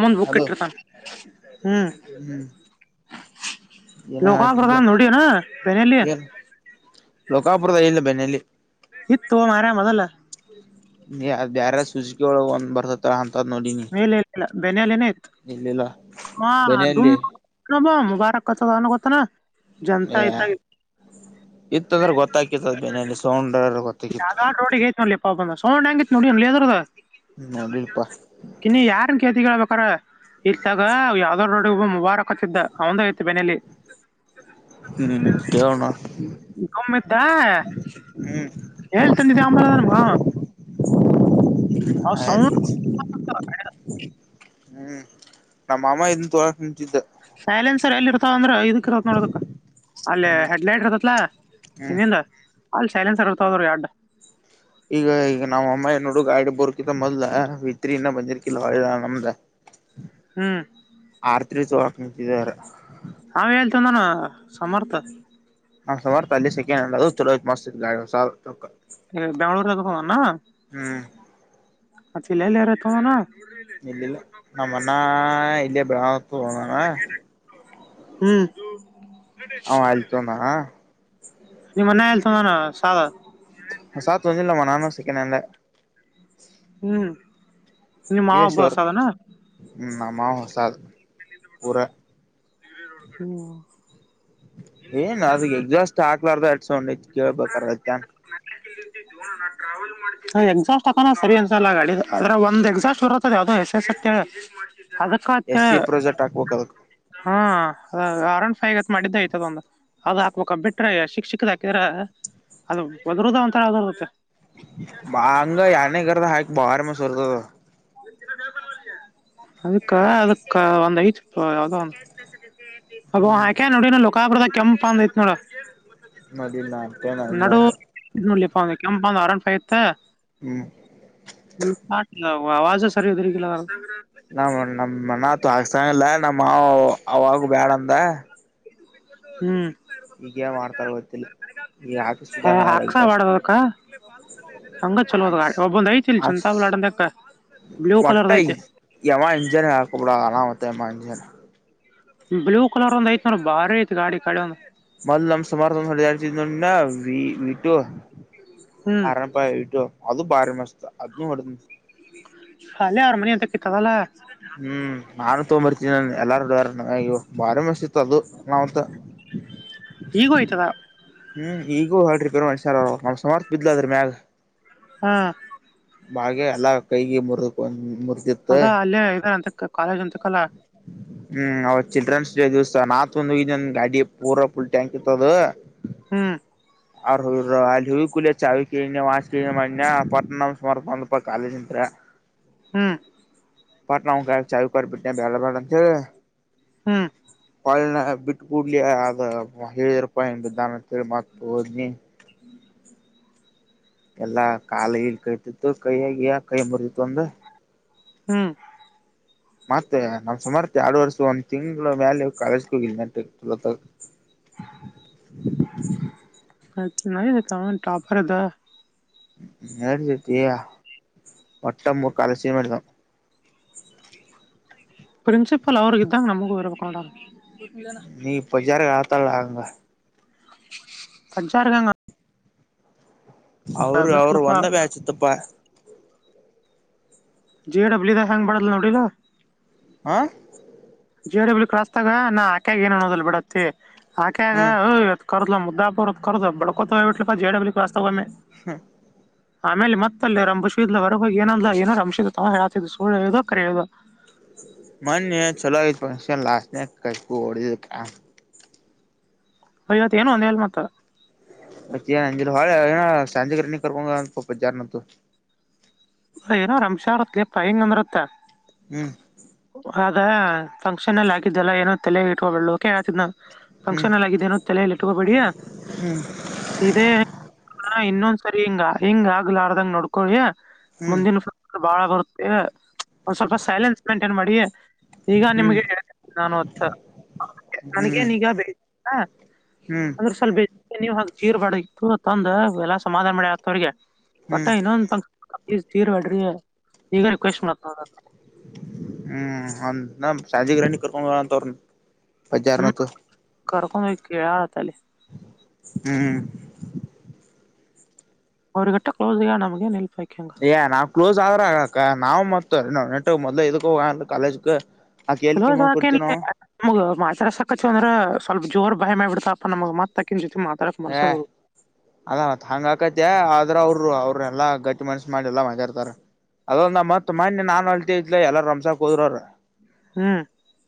ಮುಂದ್ book hello ಇಟ್ಟರ್ತನ್ ಹ್ಮ್ ಹ್ಮ್ ಏನ ಲೋಕಾಲ್ ಆತಿದ್ದ ಪ್ರಧಾನ ಡಿ ನ ಬನಲ್ಲಿಯ ಲೋಕಾಪ್ರದ ಇಲ್ಲ ಬೆನ್ನಲ್ಲಿ ಈ ತಾರಾ ಮದಲ್ ನೀ ಬ್ಯಾರಾರ ಸೂಸಕ ಒಳ ಒಂದ್ ಬರ್ತತ್ತರ ಅಂತದ್ ನೋಡಿನ [unintelligible] ನ ಬೆನೆಯಲ್ಲಿ ಡೂಮ ಮುಬಾರಕ ಕಚ ಅಣತನಾ ಇತ್ತಂದ್ರೆ ಗೊತ್ತಾಕತ್ತದ ಬೆನಲ್ಲಿ ಸೌಂಡ್ರ ಗೊತ್ತ ಯಾವ್ದ ನೋಡಿ ಐ ನೋಡಿ ಬಂದ ಸೌ ಹಂಗಿ ನೋಡಿ ಅದ ನೋಡಿಲ್ಪ್ಪಾ ಯಾರನ್ ಕೇತಿ ಹೇಳ್ಬೇಕಾರ ಇತ್ತಾಗ ಯಾವ್ದೋಡ್ಡಿ ಮು ವಾರಕಚ್ಚಿದ್ದ ಅವಂದ ಐತ ಬೆನಲಿ ಹ್ಮ್ ಕೇಳೋಣ ಗದ ಹ್ಮ್ ಹೇಳ್ತಂದಿದವಿ ಅಂಬಲದ ನಮ್ಗ ಅವ್ ಹ ಸೌಂಡ್ ಹ್ಮ್ ನಮ್ಮ ಮಾಮಾ ಇ ತೋ ಸೈಲೆನ್ಸರ್ ಎಲ್ಲಿರ್ ಅಂದ್ರ ಇದಕ್ ಇರತ್ ನೋಡದಕ್ ಅಲ್ಲಿ ಹ್ಮ್ ಹೆಡ್ಲೈಟ್ ಇರತತ್ಲಾ ಹ್ಮ್ ಇನ್ನಿಂದ ಅಲ್ಲಿ ಸೈಲೆನ್ಸ್ತೋದ್ರರು ಎಡ್ಡು ಈಗ ಈಗ ನಾವ್ ಅಮ್ಮ ನೋಡು ಗಾಡಿ ಬರ್ಕಿದ ಮೊದಲ ವಿತ್ರಿನ್ನ ಬಂದಿರ್ಕಲ್ ನಮ್ದ ಹ್ಮ್ ಆರ್ತ್ರಿ ಚೋರಕ ನಿಂತಿದೆರ ಇಂದಾನ ಸಮರ್ಥ ನಾನ್ಮಾರು ಅಲ್ಲಿ ಸೆಕಂಡ್ ಚಲೋ ಮಸ್ತ್ ಗ ಬೆಳೂರು ತಕಾನ ನ ಹ್ಮ್ ಹ ಸಿಲ್ಲೆಲ್ಲರ ತಾನ ಇಲ್ಲಿಲ್ಲ ನಮ್ಮ ಅನ್ನ ಇಲ್ಲಯ ಬೆಳತ ನಾನ ಹ್ಮ್ ಹ ಅಲ್ತೋನಾ ನಿಮ್ಮನ್ನ ಆಲ್ಲ ತಮ್ಮಾನ ಸಾಲ ಸಾಾತ್ದಿಲ್ಲಾಮ ನಾನು ಸೆಕಂಡ್ ಹ್ಯಾಂಡ ಹ್ಮ್ ನಿಮ್ ಮಾವ ಒಬ್ಬ ಇಶ್ರ್ ಸಾದನ ನಮ್ಮ ಹೊಸಾದ ಪೂರ ಹ್ಮ ಏನ್ ಅದ ಎಕ್ಸಾಸ್ಟ್ ಹಾಕ್ಲಾರ್ದ ಅಸೊಂಡ ಕೇಳ್ಬೇಕಾರತನ್ ಎಕ್ಸಾಸ್ಟ್ ಹಾಕನ ಸರಿ ಅನ್ಸಲ್ಲ ಗಾ ಅ ಒಂದ ಎಕ್ಸಾಸ್ಟ್ ಬರುತ್ತದ ಯಾವದೋ ಎಸ್ ಎಸ್ ಅದಕ್ಕತ್ತ ಎಸ್ ಸಿ ಪ್ರೊಜೆಕ್ಟ್ ಹಾಕ್ಬೇಕ ಅದಕ್ ಹಾ ಅ ಅರೌಂಡ್ ಫೈ ತ್ ಮಾಡಿದ್ದ ಆಯ್ತದ ಒಂದ್ ಅದ ಹಾಕ್ಬೇಕ ಬಿಟ್ರ ಶಿಕ್ಷಕದ ಹಾಕಿದ್ರ ಅದು ಒದ್ರದ ಒಂಥರ ಯಾವ್ದರುತ್ತೆ ಮ ಅಂಗ ಯಾನ ಕತ ಹಾ ಬಹಾರ ಮ ಸರತ ಅದಕ್ಕ ಅದಕ್ಕ ಒಂದ ಐ ಯಾವದೋ ಒ ಅ ಹ್ಮ್ ಹಾಕೆ ನೋಡಿ ನ ಲೋಕಾಪುದ ಕೆಂಪ ಅಂದ ಐತ್ ನೋಡ ನದ ನಾತ ನಲ್ ಹ ಕೆಂಪ ಅರಾಮೈತ ಹ್ಮ್ ಆವಾಜ ಸರಿದರಿಲ್ಲ ನ ನಮ್ಮಣ ತಾಕಿಸ್ತಾನಲ್ಲ ನಮ್ಮ ಮಾ ಅವಾಗ ಬೇಡ ಅಂದ ಹ್ಮ್ ಈಗೇ ಮಾಡ್ತಾರ ಗೊತ್ತಿಲ್ಲ ಈ ಆಫೀಸ್ಂಗ ಹಾಕ್ಸ ಅಷ್ಟ ಬಾಡದಕ್ಕ ಹಂಗ ಚಲೋದ ಒಬ್ಬೊಂದ್ ಐತಿ ಇಲ್ ಚಂತ ಆಡದಕ್ಕ ಒಟ್ಟೈ ಯಮ ಇಂಜನ್ ಹಾ ಕೂಬೂಡಣ ಮತ್ತಮ ಇಂಜನ್ ಬ್ಲೂ ಕಲರ್ ಒಂದ್ ಐ್ ನೋರಿ ಭಾರಿ ಐತ್ ಗಾಡಿ ಕಳೆ ಒಂದ್ ವಟು ಹ್ಮ್ ಅರನಪ್ಪ ವೀಟು ಅದು ಭಾರಿ ಮಸ್ತ ಅದ ಹೊಡೆ ಹಾಲೆ ಹಾರ ಮನೆಯಂತತ್ತಲ್ಲಾ ಹ್ಮ್ ನಾನು ತಗೊಂಬರ್ತಿ ಇ ಎಲ್ಲಾರ ಬಾರಿ ಮ ಇತ್ತು ಅದು ನಾವಂತ ಈಗೋಯ್ತದ ಹ್ಮ್ ಈಗೂ ಹೇಳ್ರಿ ಬೇರಸಾರ ಅವ ನ್ ಸಮರ್ಥ ಬಿದ್ಲದ್ರ ಮ್ಯಾಗ ಹ್ಮ ಬಾಗೆ ಎಲ್ಲಾ ಕೈಗೆ ಮುರಕ ಒ ಮು ಅದ ಅಲ್ಲೇ ಇದಾರೆ ಅಂತ ಕಾಲೇಜ್ ಅಂತ ಹ್ಮ್ ಅವತ್ ಚಿಲ್ಡ್ರನ್ಸ್ ದಿವಸ ನಾತ್ ಒಂದು ಗಾಡಿ ಪೂರಾ ಫುಲ್ ಟ್ಯಾಂಕ್ ಇರ್ತದ ಹ್ಮ್ ಅವ್ರ ಹ ಅಲ್ಲಿ ಹೂವ ಕುಲಿಯ ಚಾವಿ ಕಿ ವಾಚ್ ಕಿ ಮಾಡ ಪಟ್ ನ್ ಸುಮಾರು ಒಂದ ರೂಪಾಯ ಕಾಲೇಜ ಇಂ ಹ್ಮ ಪಾಟ್ ಕ ಚಾಯಕಬ ಬಳ ಬ ಹ್ಮ ಕಳ್ಳನ ಬಿಟ್ಟ ಕೂಡ್ಲಿ ಅದ ಹೇಳಿದರಪ್ಪ ಎಿದ್ದಾನ ಅಂತೇಳಿ ಮತ್ತ ಓದ್ನಿ ಹ್ಮ್ ಎಲ್ಲಾ ಕಾಾಲ ಕಯ್ತಿತ್ತು ಕೈಯ ಆಗ ಕೈ ಮುರತಿತ್ತು ಒಂದ ಹ್ಮ್ ಮತ್ತೆ ನಾವ್ ಸುಮಾರ್ಥ ಎರಡು ವರ್ಷ ಒಂದ್ ತಿಂ್ಗಳ ಮ್ಯಾಲ ಕಾಲೇಜ್ಗ ಹೋಗಿಿಲ್ಲ [inaudible] ಹ ನ ತ ಟಾಪರದ ನತಯಾ ಮಟ್ಟ ಮು ಕಾಲಸ ಮಾಡತ [inaudible] ಪ್ರಿನ್ಸಿಪಲ್ ಅವ್ರಗ ಇದ್ದಾಗ ನಮಗೂ ಇರಬೇಕೊಂಡ್ರ ನೀ ಬ ಜಾರ ಆತಲ್ಲಂಗ ತಜಜಾರಾರಗಂಗ ಅವರು ಅವರು ಒಂದ ಬ್ಯಾಚ್ತಪಾ ಜೆ ಡಬ್ಲ್ಯೂ ದ ಹೆಯಾಂಗ್ ಮಾಡದಲ ನೋಡಿಲ್ಲ ಆ ಜಿ ಡಬ್ಲ್ಯೂ ಕ್ರಾಸ್ ತಾಗ ನಾ ಆಕ್ಯಾಗ ಏನುೋದಲ್ ಬಿಡತ್ತತಿ ಆಕ್ಯಾಗ ಹ್ಮ ಕರ್ದ ಮುದ್ದಪುರ್ ಬಡ್ಕೋತ ಇಟ್ಲಾ ಜ ಡಬ್ಲಕ್ಸ್ತಾವಮ್ಮೇ ಹಾ ಆಮೇಲೆ ಮತ್ತಲ್ಲಿ ರಂಭಸ ಹೊರಗೋಗ ಏನಂದ ಏನಾರ ರಂಶ ತ ಹ ಹೇಳಾತಿದ್ದ ಸುಳ್ ಹೇಳುದ ಕರೆ ಹೇಳ್ದ. ಮನ್ ಚಲೋ ಈ ಪಕ್ಷ ಲಾ ಕು ಓ ಐವತ್ತು ಏನು ಒಂದೇಳಳ್ ಮತ್ತ ಅಂಜಲಿ ಹ ಸಾಜೆ ಕ ಪಪ ಜಾರನದುು ಏನ ರಂಶತ್ ಪ್ರ ಹೆಂಗ ಅಂದ್ರತ್ತ ಹ್ಮ್ ಅ ಫಂಕ್ಷನ್ ಅಲ್ಲಿ ಆಗಿದ್ದೆಲ್ಲ ಏನೋ ತಲೆ ಇಟ್ ಹಬು ಕೇಳಾತಿದ ನಾವು ಹ್ಮ್ ಫಂಕ್ಷನ್ ಎಲ್ಲಗಿದ್ದೇನ ತಲೆಯಲ್ಲಿ ಇಟಕೋಬೇಡಾ ಹ್ಮ್ ಇದೇ ಇನ್ನೊಂದ್ಸರಿ ಹಿಂಗ ಹಿಂಗ ಆಗ್ಲಾರ್ದಂಗ ನೋಡ್ಕೊಳಿಯ ಹ್ಮ್ ಮುಂದಿನ ಬಾಳ ಬರುತ್ತೆ ಒಂದ್ ಸ್ವಲ್ಪ ಸೈಲೆನ್ಸ್ ಮೈಂಟೈನ್ ಮಾಡಿ ಈಗ ಹ್ಮ್ ನಿಮ್ಗೆ ನಾನು ಹ್ಮ್ ನನ್ಗೇನ್ಗ ಹ್ಮ್ ಅಂದ್ರ ಸ್ವಲ್ ನೀವ್ ಹಾಗ ಚೀರ್ ಬಾ ಇತ್ತು ತಂದ ಎಲ್ಲಾ ಸಮಾಧಾನ ಮಾಡಿ ಆತವ್ರಿಗೆ ಹ್ಮ್ ಮತ್ತಾ ಇನ್ನೊಂದು ತೀರ್ ಬಿಡ್ರಿ ಈಗ ರಿಕ್ವೆಸ್ಟ್ ಮಾಡತ ಹ್ಮ್ ನ ಸಾಜಿಗ್ರಹಣಿ ಕರ್ಕೊಂಡ್ಳ ಅಂತ ಅವ್ರ ಬಚಾರನತ್ತು ಕರ್ಕೊಂಡ ಕೇಳಳ ಜಾ ಹ್ಮ್ ಅವ್ರ ಗಟ್ಟ ಕಸ್ಗ ನಮಗೆ ನೆಲ್ಪಾಯತತಿ ಏ ನಾ ಕ್ಲೋಸ್ ಆದ್ರ ನಾವು ಮ ನೆಟ್ಕ್ ಮೊದ್ಲು ಇದಕ್ಕ ಹೋಗ ಕಾಲೇಜ್ ಕುಲ ಸಾಕನ್ಮ ಮಾತ್ರ ಸಾಕಚ್ಚು ಅಂದ್ರ ಸ್ವಲ್ಪ ಜೋರ್ ಭಯಡ್ತಾ ನಮಗೆ ಮತ್ತಕ್ಕಂ ಅದ ಮತ್ ಹಂಗ ಆಕತ ಆದ್ರ ಅವರುರು ಅವ ಎಲ್ಲಾ ಗಟ್ಟಿ ಮನ್ಸ್ಸ ಮಾಡಿ ಎಲ್ಲ ಮಗಾರ್ತಾರೆ ಅದೊಂದ ಮತ್ ಮನ್ ನಾನ್ ಅಲ್ತಿದ್ಲ ಎಲ್ಲಾರ ರಮ್ಸಾಕ್ ಹೋದ್ರರು. ಹ್ಮ್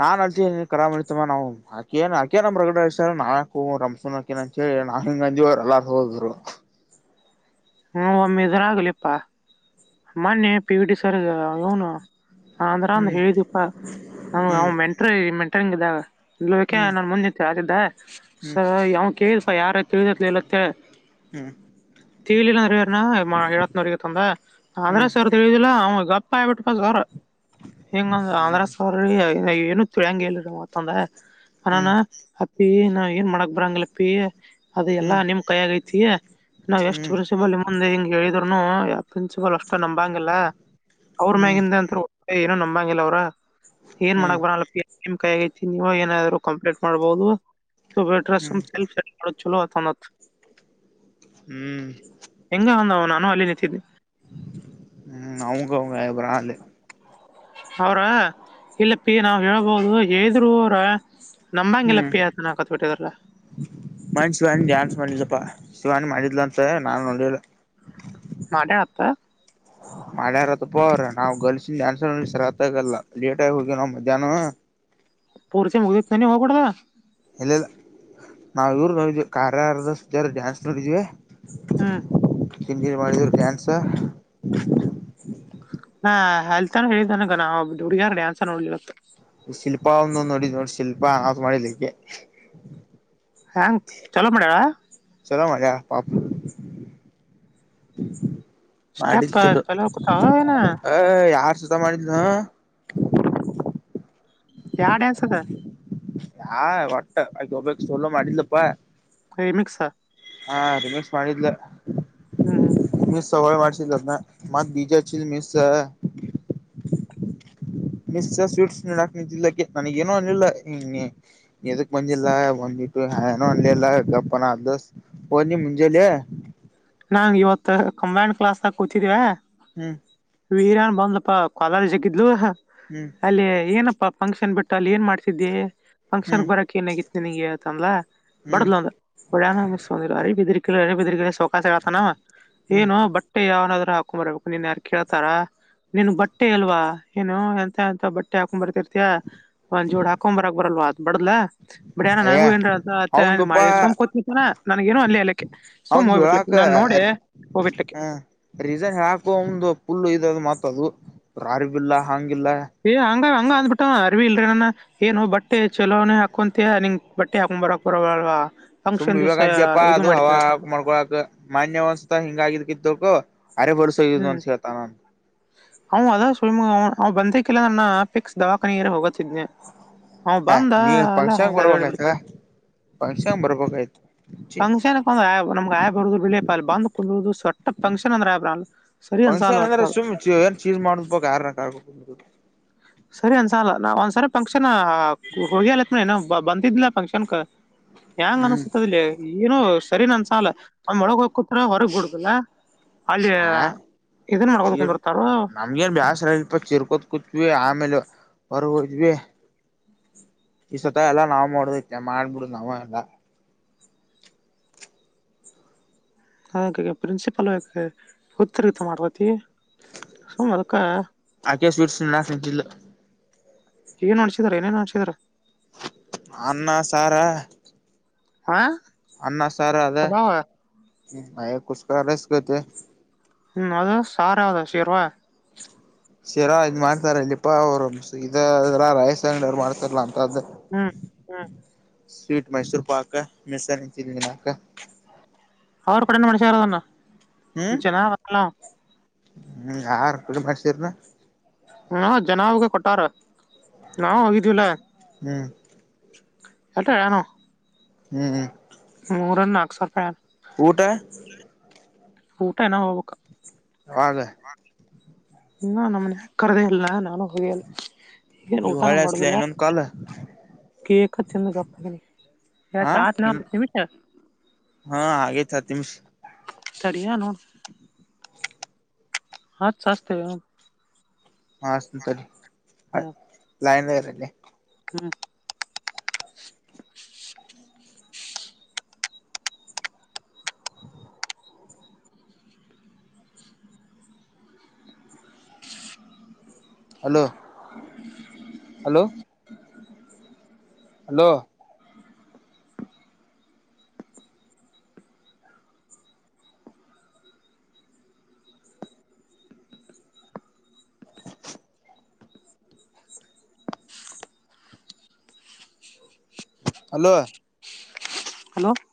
ನಾನ್ ಅಲ್ತನೆ ಅಕರ್ತಮ್ಮ ನಾವು ಆಕೇ ಆಕೆ ನಮ್ ಪ್ರಗಡಡೆತ ನಾಕ ರಮಕ ಸರಿ ನಾ ಹಂಗಂದ ಅವರು ಎಲ್ಲಾರು ಹೋದ್ರು ಹ್ಮ ಒಮ್ಮೆ ಇದರ ಆಗ್ಲಿಪ್ಪಾ ಮೊನ್ನೆ ಪಿಡಿ ಸರ್ ಅವನು ಅಂದ್ರ ಒಂದ ಹ್ಮ್ ಹೇಳಿದಪ್ಪಾ ಅವ ಹ್ಮ್ ಮೆಂಟ್ರ ಮೆಂಟ್ರಂಗ ಇದಾಗ ಇಕ್ಯಾ ಹ್ಮ್ ನಾನನ್ ಮುಂದಂತೆ ಆದಿದ್ದ ಸ ಹ್ಮ್ ಯಾವ ಕೇಳಪಾ ಯಾರ ತಿಳಿದತ್ ಇಲ್ಲತ್ತ ಹ್ಮ್ ವವಿ ಎಲ್ಲ ಅರವಾರ ಎಳತ್ತನವರೆಗೆ ತಂದೆ ಆಧ್ರ ಹ್ಮ್ ಸರ್ ತಿಳುದಿಲ್ಲ ಅವ ಗಪ್ಪ ಆಯ್ಬಿಟ್ಟು ಪರ ಹಿಂಗಂಗ ಆಧ್ರ ಹ್ಮ್ ಸರ್ ಏನು ತಿಳ್ಯಂಗಗೆ ಹೇಳ ಮತ್ತಂದ ಅನಾನ ಹ್ಮ್ ಅಪ್ಪಿ ನಾವ್ ಏನ್ ಮಾಡಕ್ ಬರಂಗಿಲ್ಲಪ್ಪಿ ಅದೆ ಹ್ಮ್ ಎಲ್ಲಾ ಹ್ಮ್ ನಿಮ್ ಕೈ ಆಗೈತಿಿಯ ನಾವ್ ಎಷ್ಟ್ ಹ್ಮ್ ಪ್ರಿನ್ಸಿಪಲ್ ಮುಂದೆ ಹಿಂಗ ಹೇಳ ಯ್ಯಾಪಷ್ಟ ಅವ್ರ ಮ್ಯಗಿಂದ ಅಂ ಏನೋ ನಂಬಂಗಿಲ್ಲ ಅವ್ರ ಏನ್ ಹ್ಮ್ ಮಾಡಕ್ ಬರ ಕೈ ಆಗ ನೀವು ಏನಾದ್ರು ಕಂಪ್ಲೀಟ್ ಮಾಡ್ಬಹುದು ಹ್ಮ್ ಹ್ಮ್ ಭಾರ ಚಲ ಅಥಾನತ್ ಹ್ಮ್ ಅಲ್ಲಿ ನೀದ್ದ ಹ್ಮ್ ಅವಂಗ ಅವಂಗ ಅಬರಲ್ಲಿ ಅವ್ರ ಇಲ್ಲಪ್ಪಿ ನಾವ್ ಹೇಳ್ಬೋದು ಹೆರುೂರ ಹ್ಮ್ ಮನ್ ಶಿವಿವಾನಿ ಡ್ಯಾನ್ಸ್ ಮಾಡಿಲ್ಲಪ್ಪಾ ಶಿವಾನಿ ಮಾಡಿದ್ಲ ಅಂತ ಮತ್ತೆ ನಾನು ನೋಡಿಲ್ಲ ಮಾತಾಡತ್ತ ಮಳ್ಯಾರತ್ತ ಪ್ರ ನಾವವು ಗಲ್ಸಿನನ್ಸರ್ ಸರಿತ ಆಾಗಲ್ಲ ಲೇಟ್ ಆಗಿ ಹೋಗಿ ನಾ ಮಧ್ಯಾಹ್ನ ಪೂರ್ಸ ಮುಗಿದ ನೀ ಹೋಗಬಡದಾ ಇಲ್ಲಲ್ಲ ನಾವವು ಇವರು ನೋಡವಿ ಕಾರ್ಯಾರದ ಜಾರ ಡ್ಯಾನ್ಸ್ ನೋಡಿದಿವವಿ ಹ್ಮ್ ತಿಂಡನ್ ಮಾಡಿದ್ರು ಕ್ಯಾನ್ಸ ನಾ ಅಲ್ತಾನ ಹೇಳಿದನಗ ನಾವು ಹುಡುಗ್ಯಾರ ಡ್ಯಾನ್ಸ ನೋಡ್ಲಿವ ಶಲ್ಪ ಒಂದು ನೋಡಿದ ನೋಡಿ ಶಲ್ಪ ಅದು ಮಾಡಿದ್ದಲಿಕ್ಕೆ ಹಂ ಚಲೋ ಮಡಾ ಚಲೋ ಮಜೆಯ ಪಾಪ ಮಾಡಿದ ಸ್ಟೆಪ್ ಚಲ ಚಲೋ ಹಾಕುತ್ತಾವ ಏನ ಅ ಯಾರ್ ಸತ ಮಾಡಿದ್ನ ಯಾವ ಡ್ಯಾನ್ಸ್ ಅದ ಆ ಒಟ್ಟ ಅ ಒಬ ಸಲ್ಲ ಮಡಲ್ಲಪ್ಪಾ ರಿಮಿಕ್ಸ ಹಾ ರಿಮೇಶಸ್ ಮಾಡಿದ್ಲ ಹ್ಮ್ ಸವಾಯ ಮಾಡಸನಾ ಮ ಬಜ ಚ ಮಿಸ ಮಶ್ ಸ್ವೀಟ್ಸ್ ನೀಕ್ ನಿಂತಿಲ್ಲಕ್ಕೆ ನನಗ ಏನೋ ಅಂದಿಲ್ಲ ಹ ಎದಕ್ ಬಂದಿಲ್ಲ ಬಂದಿಲ್ಲ ಹನ ಅಲ್ಲಪ ಅ ದ ನೀ ಮುಂಜೆಲಿ ನಾಂಗ ಇವತ್ ಕಂಬ್ಯಾಂಡ್ ಕ್ಲಾಸ್ಗ ಕೂತಿದವೆ ಹ್ಮ್ ವೀರ್ಯನ್ ಬಂದಪ್ಪ ಕೊಲಾರ ಜಗಿದ್ಲು ಹ್ಮ್ ಅಲ್ಲಿ ಏನಪ್ಪಾ ಫಂಕ್ಷನ್ ಬಿಟ್ಟು ಅಲ್ಲಿ ಏನ್ ಮಾಡ್ತಿದೆ ಫಂಕ್ಷನ್ ಹ್ಮ್ ಬರಕಕ್ ಏನ ಆಗತ್ತು ನಿನಗೆ ಆತ ಅ ಹ್ಮ್ ಬಡದಲ ಅಂದ ಇಳ ಅರಿ ಎದರ್ ಬಿದಗ ಸವಕಾಸ ಹೇಳ್ತಾನ ಹ್ಮ್ ಏನು ಬಟ್ಟೆ ಯಾವನಾದ್ರು ಹಾಕೊಂಬರ್ಬೇಕು ನೀನ್ ಯಾರು ಕೇಳ್ತಾರ ನಿನ್ ಬಟ್ಟೆ ಅಲ್ವಾ ಏನು ಎಂತ ಎಂತ ಬಟ್ಟೆ ಹಾಕೊಂಡ್ ಬರ್ತಿರ್ ಅತ್ಯ ಒಂದ್ ಜೋಡ್ ಹಾಕೊಂಬರಕ್ ಬರಲ್ವ ಬಡದಲಾ ಬಟ್ಏನ ಅಯ್ಯ ನನಗೂ ಏನ್ರ ಅಂತ ಅವಂದಪ್ಪಾ ಮಾಡಿ ಸೋಮ್ ಕೂತ್ ಚನ ನನ್ಗ ನು ಅಲ್ಲಿ ಹೇಳಲಿಕ್ಕೆ ಸೋಮ್ ಅವಂದ್ ಹೋಗ್ಬಿಡ್ಲಿಕ್ಕೆ ಹೇಳಾಕ ಹ ರೀಸನ್ ಯಾಕು ಒಂದು ಪುಲ್ಲ ಇದದು ಮಾತ ದು ರಾರಿಬಿಲ್ಲ ಹಗೆ ಹಂಗ ಹಂಗ ಅಂದ್ಬಿಟ್ಟ ಅರಿವಿ ಇಲ್ರೀ ನನ್ನ ಏನು ಬಟ್ಟೆ ಚಲೋನೇ ಹಾಕೊಂತ ನಿಂಂಗ ಬಟ್ಟೆ ಹಾಕೊಂಡ್ ಬರಕ್ ಬರವಲ್ವಾ ಸುಮ್ ಫಂಕ್ಷನ್ ದಿವ್ಸ ವಿವೇಕ ಅಜ್ಯಪ್ಪ ಇದು ಅದು ಹವ ಮಾಡಿದ್ನಂತ ಹಕ್ ಮಾಡ್ಕೊಳಕ್ ಮಾನ್ಯವಂದಸಾ ಹಿಂಗಗಿದ್ ಕತ್ಕು ಅರೆ ವರ್ಷೋ ಯಜಂತ ಅ ನಂದ ಅವನು ಅದ ಸುಳಿಮ ಅವವು ಬಂದಕಲ್ಲ ನನ್ನ ಪಿಕ್ಸ್ ದವಾಖಾನೆಯರ ಹೋಗತಿದ್ನೆ ಹ ಬಂದ ನೀ ಅಲ್ಲ ಫಂಕ್ಷನ್ ಬರ್ಬೇಕಾಯ್ತ ಬಿಡ್ತ ಫಂಕ್ಷನ್ ಬರ್ಬೇಕಾಯ್ತು ಚಿ ಫಂಕ್ಷನ್ ಒ ನಮ್ಗೆ ಆಯ ಬರುದುಳ ಅಲ್ಲಿ ಬಂದ್ ಕುಡುದು ಸೊಟ್ಟ ಫಂಕ್ಷನ್ ಅಂದ್ರೆ ಅಬ್ರ ಅ ಸರಿ ಅಂದಸಲ್ ಫಂಕ್ಷನ್ ಹೊಟ್ಟ ಅಂದ್ರೆ ಸುಮ್ ಏನ್ ಚೀಜ್ ಮಾಡ್ ಬಕ್ ಯಾರ ಆಗ್ ಸರಿ ಅನ್ಸಲ್ ಒಂದಸಲಿ ನಾವ ಒಂದ್ಸರಿ ಫಂಕ್ಷನ್ ಹೋಗಿಲತ್ ಏನ ಬಂದಿದ್ದಿಲ್ಲ ಫಂಕ್ಷನಕ ಹೆಂಗ್ ಹ್ಮ್ ಅನ್ಸತದಲ ಏನು ಸರಿ ನ್ ಅನ್ಸಾಲ ನ ಮೊಳಗ ಹೋಗ ಕುತ್ರ ಹೊರಗ ಬಿಡುದಿಲ್ಲಾ ಹ ಚೀರ್ ಕುಂದಿರ್ತಾರೋ ನಮ್ಗೇನ್ ಬ್ಯಾಸರ ಇಲ್ಪ ಚೀರಕೊತ್ ಕುತ್ವಿ ಆ ಆಮೇಲೆ ಹೊರಗ ಹೋದವಿ ಈ ಸತ ಎಲ್ಲಾ ನಾವ್ ಮಾಡೋಡುದ ಐತಿ ಮಾಡ್ಬಿಡ್ ನಾವ ಎಲ್ಲಾ ಅದಕ್ಕೆ ಪ್ರಿನ್ಸಿಪಲ್ ಉತ್ತರಗಿತ ಮಾಡತೈತಿ ಸುಮ ಅದಕ್ ಆಕೇಶ ಸ್ವೀಟ್ಸ್ ನಾಸಿಕಿಲ್ಲ ಏನ್ ನಡ್ಸಿದ್ದರ ಏನೇನ್ ನಡ್ಸಿದ್ದರ್ ಅನ್ನ ಸಾರಾ ಹಾ ಅನ್ನ ಸಾರ ಅದ ಪಲಾವ ಬಾಯಾಗ ಕುಸ್ಕರ ಸಿಗತೈತಿ ಹ್ಮ್ ಅದ ಸಾರಯಾವದ ಶೇರ್ವಾ ಶೆರವಾ ಇದ್ ಮಾಡ್ತಾರ ಇಲ್ಲಿಪಾ ಅವ್ರು ಇದದ್ರ ರಾಯಸ ಅಂಗಡಿ ಅವ್ರು ಮಾಡ್ತಾರಲ್ಲಾ ಅಂತದ ಹ್ಮ್ ಹ್ಮ್ ಸ್ವೀಟ್ ಮೈಸೂರು ಪಾಕ ಮೆಸಾನಂ ತಿನ್ನಾಕ ಅವರು ಕೂಡ ಮಣಸಾರೋದನ್ನ ಹ್ಮ್ ಚನಾಲ್ಲ. ಹ್ಮ್ ಯಾರ ಕಡೆ ಮಾಡಸೀರನ ಹಾ ಜನಾವಗೆ ಕೊಟ್ಟಾರ ನಾವು ಹೋಗಿದೀವಲ್ಲಾ ಹ್ಮ್ ಹಟ್ಟ ಹೇಳಿಯಾನು ಹ್ಮ್ ಮೂರೇನ ನಾಕ್ ಸಾವಿರ ರೂಪಾಯಿ ಹೇಳೇನವಾ ಊಟ ಊಟ ಇನ್ ಹೋಗಬೇಕ ಯಾವಾಗ ಇನ್ನು ನಮನೆ ಕರದೆೇ ಇಲ್ಲಾ ನಾನು ಹೋಗಿಲ್ಲ ಎನ್ ಇವು ಊಟ ನ ಹಳೆ ಹಸ್ಲ ಮಾಡುದಿಲ್ಲ ಇನ್ನೊಂದ್ ಕಾಲ್ ಕೇಕ ತಿಂದ್ ಗಪ್ಪದ ಹಾ ಆಗಿತ್ತಿ ಹತ್ ನಿಮಿಷ ಸರಿಯಾ ನೋಡ್ತ ಹಚ್ ಹಚ್ತನ್ ನೀ ಹಸ್ತನೇ ತಡಿ ಲೈನಾಗ ಇರೂ ಅಲೆ ಹ್ಮ [inaudible] ಹಲೋ ಹಲೋ [unintelligible] ಹಲೋ ಹಲೋ